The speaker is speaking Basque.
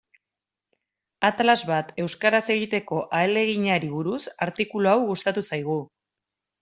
Atlas bat euskaraz egiteko ahaleginari buruz artikulu hau gustatu zaigu.